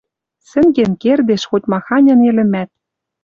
Сӹнген кердеш хоть-маханьы нелӹмӓт.